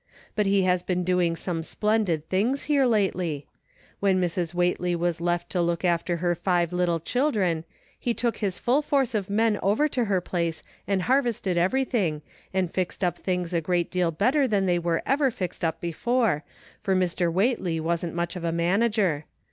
But he has been doing some splendid things here lately. When Mr. Whateley died, just before the harvest, and Mrs. Whateley was left to look after her five little children he took his full force of men over to her place and harvested everjrthing, and fixed up things a great deal better than they were ever fixed up before, for Mr. Whateley wasn't much of a manager.